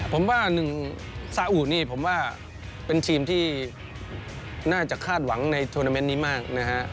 ผมว่าหนึ่งซาอุนี่ผมว่าเป็นทีมที่น่าจะคาดหวังในโทรนาเมนต์นี้มากนะฮะ